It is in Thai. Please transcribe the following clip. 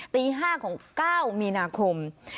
ตี๕ของ๙มีนาคม